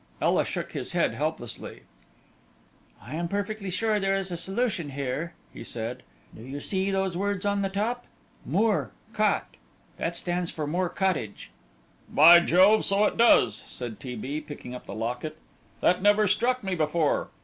Ela shook his head helplessly. "I am perfectly sure there is a solution here," he said. "Do you see those words on the top? 'Mor: Cot.' that stands for Moor Cottage." "By Jove, so it does," said T. B., picking up the locket; "that never struck me before.